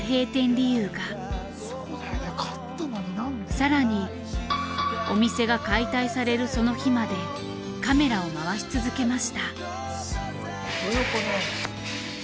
更にお店が解体されるその日までカメラを回し続けました。